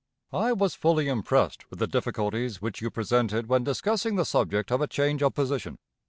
I was fully impressed with the difficulties which you presented when discussing the subject of a change of position.